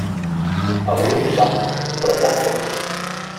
El riu és ample però poc fondo.